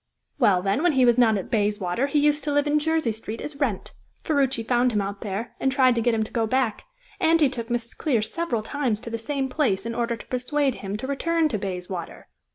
"Well, then, when he was not at Bayswater he used to live in Jersey Street as Wrent. Ferruci found him out there, and tried to get him to go back, and he took Mrs. Clear several times to the same place in order to persuade him to return to Bayswater.